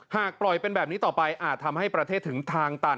หากปล่อยเป็นแบบนี้ต่อไปอาจทำให้ประเทศถึงทางตัน